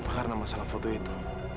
karena masalah foto itu